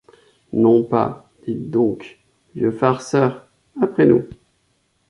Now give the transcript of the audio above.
Non pas, dis donc, vieux farceur! après nous !